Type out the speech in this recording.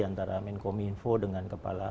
antara menkominfo dengan kepala